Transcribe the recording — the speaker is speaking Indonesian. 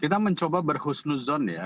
kita mencoba berhusnuzon ya